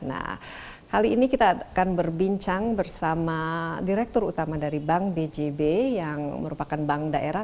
nah kali ini kita akan berbincang bersama direktur utama dari bank bjb yang merupakan bank daerah